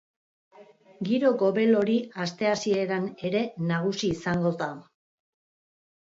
Giro gobel hori aste hasieran ere nagusi izango da.